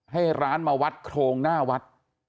ให้ร้านมาวัดโครงหน้าวัด